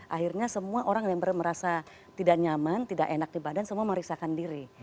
akhirnya semua orang yang merasa tidak nyaman tidak enak di badan semua merisakan diri